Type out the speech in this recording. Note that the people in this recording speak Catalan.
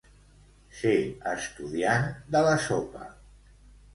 Ser estudiant de la sopa.